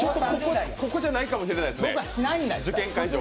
ここじゃないかもしれないですね、受験会場が。